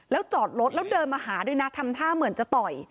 แล้วจอดรถแล้วเดินมาหาด้วยนะทำท่าเหมือนจะต่อย